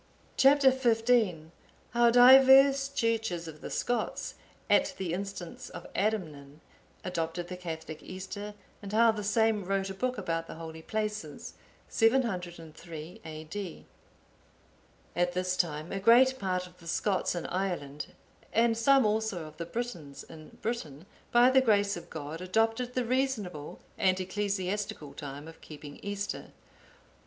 Chap. XV. How divers churches of the Scots, at the instance of Adamnan, adopted the Catholic Easter; and how the same wrote a book about the holy places. [703 A.D.] At this time a great part of the Scots in Ireland,(852) and some also of the Britons in Britain,(853) by the grace of God, adopted the reasonable and ecclesiastical time of keeping Easter.